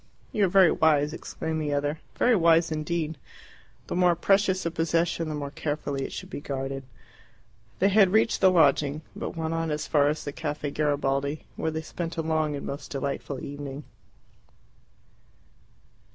"You are very wise," exclaimed the other; "very wise indeed. The more precious a possession the more carefully it should be guarded." They had reached the lodging, but went on as far as the Caffe Garibaldi, where they spent a long and most delightful evening.